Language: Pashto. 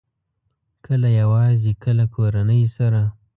کله یوازې، کله کورنۍ سره